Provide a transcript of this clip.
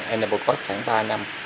em đã có khoảng ba năm